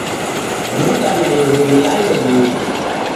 W'uka naighu niale w'uli.